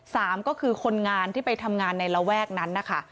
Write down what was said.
สามก็คือคนงานที่ไปทำงานในระแวกนั้นนะคะ